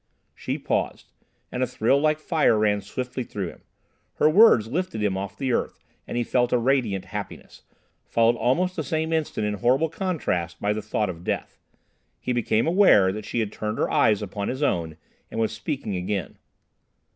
She paused, and a thrill like fire ran swiftly through him. Her words lifted him off the earth, and he felt a radiant happiness, followed almost the same instant in horrible contrast by the thought of death. He became aware that she had turned her eyes upon his own and was speaking again.